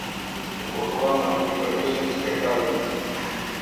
Je pochován na hřbitově v Srbské Kamenici.